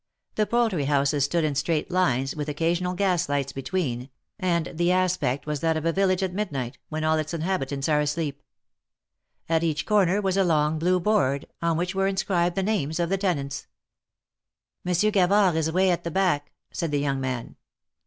The poultry houses stood in straight lines, with occa sional gas lights between, and the aspect was that of a village at midnight, when all its inhabitants are asleep. At each corner was a long blue board, on which were inscribed the names of the tenants. Monsieur Gavard is way at the back," said the young man.